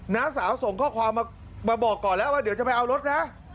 น้าสาวส่งข้อความมาบอกก่อนแล้วว่าเดี๋ยวจะไปเอารถนะ